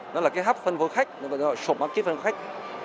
nó là cái hấp phân phối khách nó gọi là sổ mắc kết phân phối khách